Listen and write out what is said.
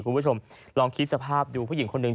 คุณผู้ชมลองคิดสภาพดูผู้หญิงคนหนึ่ง